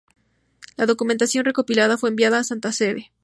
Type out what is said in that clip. La documentación recopilada fue enviada a la Santa Sede.